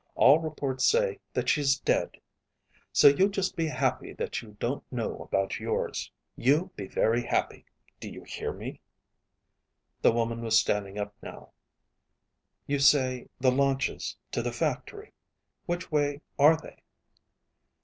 All reports say that she's dead. So you just be happy that you don't know about yours. You be very happy, do you hear me!" The woman was standing up now. "You say the launches to the factory? Which way are they?"